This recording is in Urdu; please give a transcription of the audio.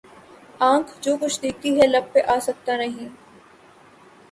آنکھ جو کچھ دیکھتی ہے لب پہ آ سکتا نہیں